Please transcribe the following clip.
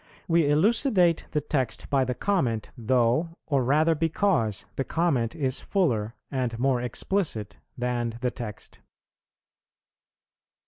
We elucidate the text by the comment, though, or rather because, the comment is fuller and more explicit than the text.